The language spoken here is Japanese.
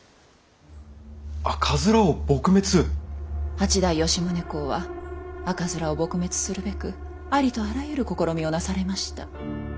八代吉宗公は赤面を撲滅するべくありとあらゆる試みをなされました。